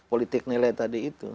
politik nilai tadi itu